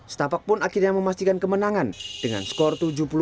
setapak pun akhirnya memastikan kemenangan dengan skor tujuh puluh empat tujuh puluh dua